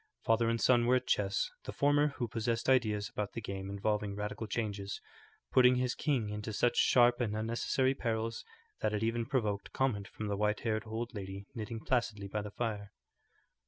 Father and son were at chess, the former, who possessed ideas about the game involving radical changes, putting his king into such sharp and unnecessary perils that it even provoked comment from the white haired old lady knitting placidly by the fire.